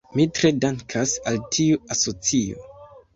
Mi tre dankas al tiu asocio.